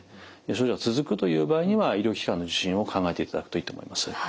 症状が続くという場合には医療機関の受診を考えていただくといいと思います。